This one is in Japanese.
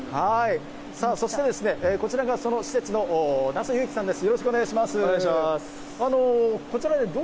そして、こちらがその施設の奈須悠記さんです。